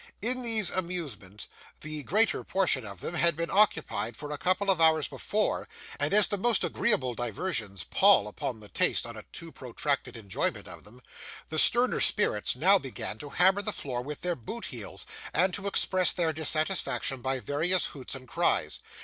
In these amusements the greater portion of them had been occupied for a couple of hours before, and as the most agreeable diversions pall upon the taste on a too protracted enjoyment of them, the sterner spirits now began to hammer the floor with their boot heels, and to express their dissatisfaction by various hoots and cries.